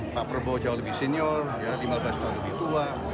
pak prabowo jauh lebih senior lima belas tahun lebih tua